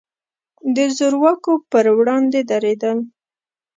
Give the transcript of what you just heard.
د زور واکو پر وړاندې درېدل.